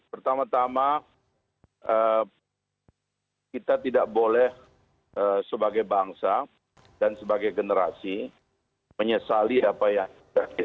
pertama tama kita tidak boleh sebagai bangsa dan sebagai generasi menyesali apa yang terjadi